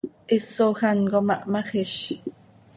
Hisoj án com ah hmajíz.